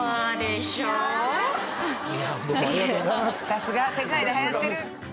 さすが世界で流行ってる。